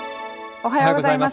おはようございます。